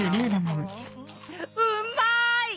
うんまい！